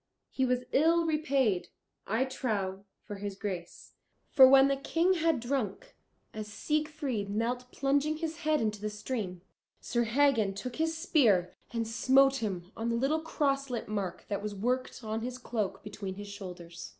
He was ill repaid, I trow, for his grace. For when the King had drunk, as Siegfried knelt plunging his head into the stream, Sir Hagen took his spear and smote him on the little crosslet mark that was worked on his cloak between his shoulders.